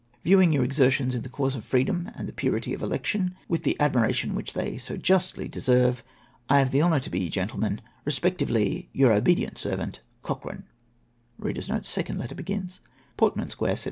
" Viewing your exertions in the cause of freedom and the purity of election with that admiration which they so justly deserve, " I have the honour to be, Gentlemen, " Kespectively, your obedient servant, " Cochrane.' " Portman Square, Sept.